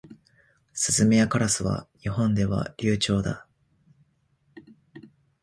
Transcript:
スズメやカラスは日本では留鳥だ。